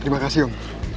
terima kasih om